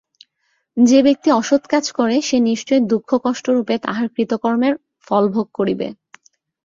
যে ব্যক্তি অসৎ কাজ করে, সে নিশ্চয়ই দুঃখকষ্টরূপে তাহার কৃতকর্মের ফলভোগ করিবে।